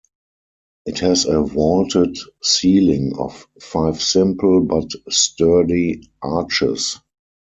It has a vaulted ceiling of five simple but sturdy arches.